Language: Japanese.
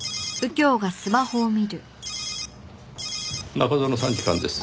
中園参事官です。